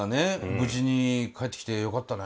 無事に帰ってきてよかったね。